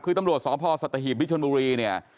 คือตำรวจสพสัตหีบวิชนบุรีเนี่ย